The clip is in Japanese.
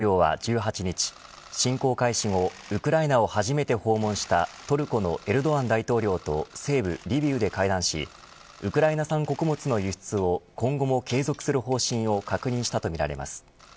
ゼレンスキー大統領は１８日侵攻開始後ウクライナを初めて訪問したトルコのエルドアン大統領と西部リビウで会談しウクライナ産穀物の輸出を今後も継続する方針を確認したとみられます。